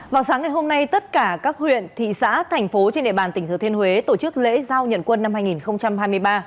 vào sáng ngày hôm nay tất cả các huyện thị xã thành phố trên địa bàn tỉnh thừa thiên huế tổ chức lễ giao nhận quân năm hai nghìn hai mươi ba